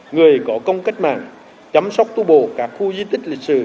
người có công cách mạng chăm sóc tu bổ các khu di tích lịch sử